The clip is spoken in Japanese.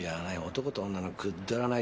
男と女のくっだらない